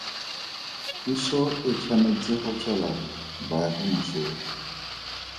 Puso e tshwanetse go tswela baagi mosola.